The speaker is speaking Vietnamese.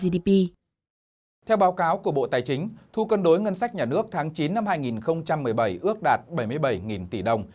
theo báo cáo của bộ tài chính thu cân đối ngân sách nhà nước tháng chín năm hai nghìn một mươi bảy ước đạt bảy mươi bảy tỷ đồng